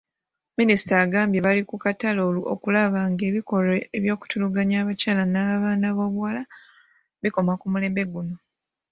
Minisita agambye bali kukkatala okulaba ng'ebikolwa by'okutulugunya abakyala n'abaana b'obuwala bikoma ku mulembe guno.